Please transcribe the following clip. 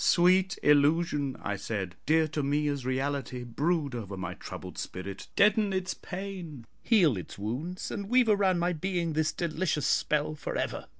"Sweet illusion," I said, "dear to me as reality, brood over my troubled spirit, deaden its pain, heal its wounds, and weave around my being this delicious spell for ever."